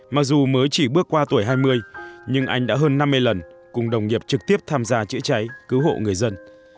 mặc dù mới chỉ bước qua tuổi hai mươi nhưng anh đã hơn năm mươi lần cùng đồng nghiệp trực tiếp tham gia chữa cháy cứu hộ người dân